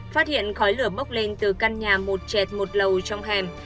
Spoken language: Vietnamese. phát hiện khói lửa bốc lên từ căn nhà một chẹt một lầu trong hẻm